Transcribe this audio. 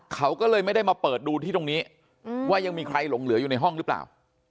เขาก็เลยไม่ได้มาเปิดดูที่ตรงนี้ว่ายังมีใครหลงเหลืออยู่ในห้องหรือเปล่า